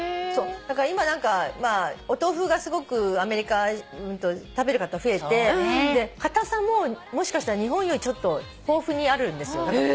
だから今お豆腐がすごくアメリカ食べる方増えて硬さももしかしたら日本よりちょっと豊富にあるんですよ。